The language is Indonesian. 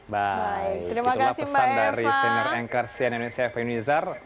baik itulah pesan dari senior anchor cnnncf faye nwizar